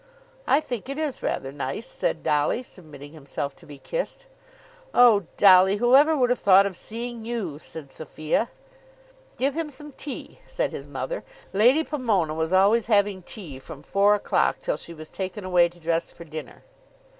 "I think it is rather nice," said Dolly, submitting himself to be kissed. "Oh Dolly, whoever would have thought of seeing you?" said Sophia. "Give him some tea," said his mother. Lady Pomona was always having tea from four o'clock till she was taken away to dress for dinner.